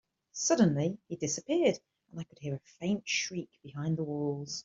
Suddenly, he disappeared, and I could hear a faint shriek behind the walls.